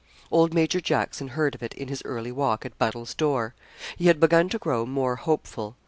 Old Major Jackson heard of it, in his early walk, at Buddle's door. He had begun to grow more hopeful.